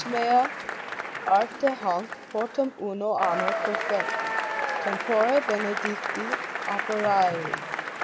MEA ARTE HANC PORTAM UNO ANNO PERFECI, TEMPORE BENEDICTI OPERARII.